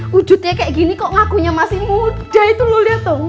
wujudnya kayak gini kok ngakunya masih muda itu lo lihat tuh